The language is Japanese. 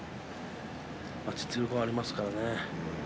実力はありますからね。